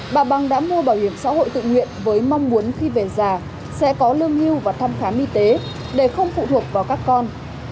bà băng đã mua bảo hiểm xã hội tự nguyện với mong muốn khi về già sẽ có lương hưu và thăm khám y tế để không phụ thuộc vào các con